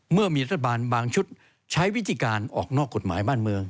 เมื่อมีรัฐบาลบางชุดใช้วิธีการออกนอกกฎหมายบ้านเมือง